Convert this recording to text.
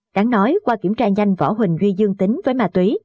đáng nói qua kiểm tra nhanh võ huỳnh duy dương tính với ma túy